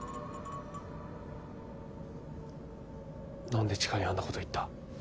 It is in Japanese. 何で千佳にあんなこと言った。